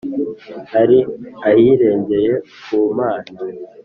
ari ahirengeye ku mana?